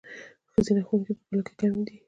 ښځینه ښوونکي په کلیو کې کمې دي.